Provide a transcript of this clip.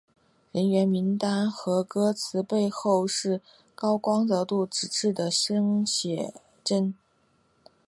人员名单和歌词背后是高光泽度纸质的生写真。